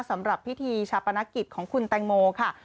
สำหรับพิธีชาติประนักกิจของคุณแต่งโมคะ